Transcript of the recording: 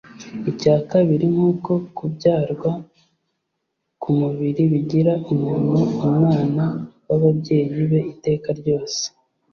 Icya kabiri, nk'uko kubyarwa ku mubiri bigira umuntu umwana w'ababyeyi be iteka ryose,